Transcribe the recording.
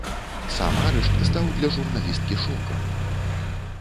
Сам арышт стаў для журналісткі шокам.